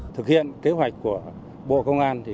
thực hiện kế hoạch của bộ công an